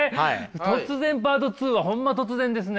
突然パート２はホンマ突然ですね。